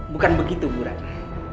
bukan begitu ibu rana